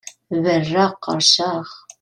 Berraɣ qerrceɣ!